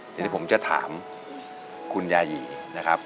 เดี๋ยวนี้ผมจะถามคุณยายีนะครับ